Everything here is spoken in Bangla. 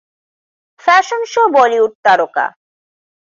ফ্যাশন শোবলিউডতারকা